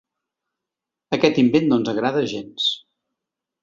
Aquest invent no ens agrada gens.